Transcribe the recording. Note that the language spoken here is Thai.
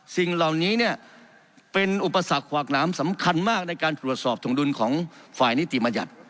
สิ่งเหล่านี้เนี่ยเป็นอุปสรรคขวากหลามสำคัญมากในการตรวจสอบถงดุลของฝ่ายนิติบัญญัติ